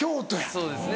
そうですね。